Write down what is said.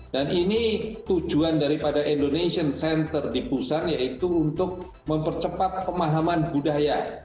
dan ini tujuan daripada indonesian center di busan yaitu untuk mempercepat pemahaman budaya